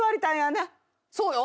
そうよ。